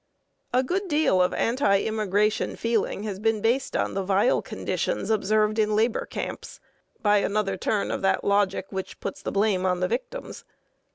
A good deal of anti immigration feeling has been based on the vile conditions observed in labor camps, by another turn of that logic which puts the blame on the victims.